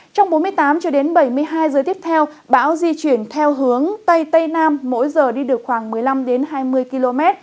trong bốn mươi tám h bảy mươi hai giờ tiếp theo bão di chuyển theo hướng tây tây nam mỗi giờ đi được khoảng một mươi năm hai mươi km